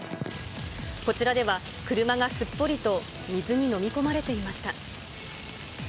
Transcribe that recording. こちらでは、車がすっぽりと水に飲み込まれていました。